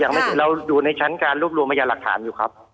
ยังไม่จบครับเราอยู่ในชั้นการรูปรวมมายาหลักฐานอยู่ครับ